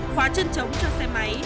khóa chân trống cho xe máy